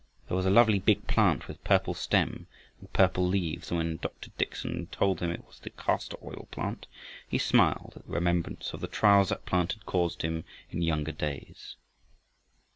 There was a lovely big plant with purple stem and purple leaves, and when Dr. Dickson told him it was the castor oil plant, he smiled at the remembrance of the trials that plant had caused him in younger days.